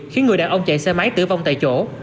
khiến người đàn ông chạy xe máy tử vong tại chỗ